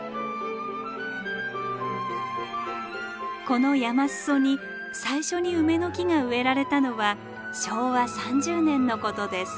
この山裾に最初に梅の木が植えられたのは昭和３０年のことです。